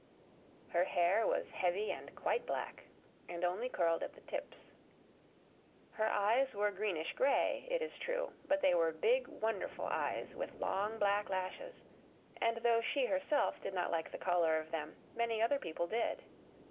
Her hair was heavy and quite black and only curled at the tips; her eyes were greenish gray, it is true, but they were big, wonderful eyes with long, black lashes, and though she herself did not like the color of them, many other people did.